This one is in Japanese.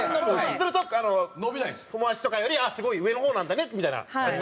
すると友達とかより「ああすごい上の方なんだね」みたいな感じになるから。